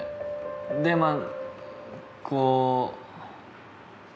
でまぁこう。